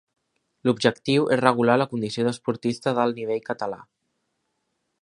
L'objectiu és regular la condició d'esportista d'alt nivell català.